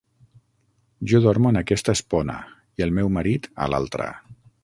Jo dormo en aquesta espona i el meu marit a l'altra.